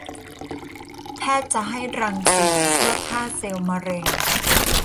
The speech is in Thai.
แพทย์จะให้รังสีเพื่อฆ่าเซลล์มะเร็ง